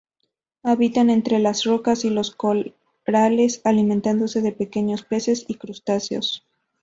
Habitan entre las rocas y los corales, alimentándose de pequeños peces y crustáceos.